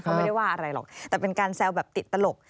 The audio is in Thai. เขาไม่ได้ว่าอะไรหรอกแต่เป็นการแซวแบบติดตลก